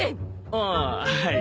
ああはい。